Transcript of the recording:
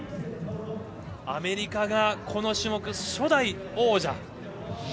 アメリカが、この種目初代王者。